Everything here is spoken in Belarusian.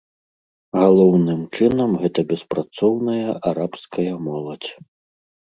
Галоўным чынам гэта беспрацоўная арабская моладзь.